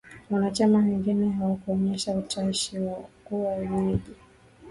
Wanachama wengine hawakuonyesha utashi wa kuwa wenyeji